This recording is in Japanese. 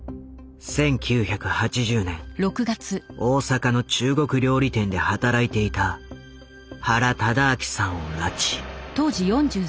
大阪の中国料理店で働いていた原敕晁さんを拉致。